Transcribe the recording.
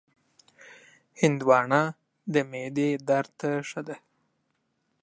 هندوانه د معدې درد ته ښه ده.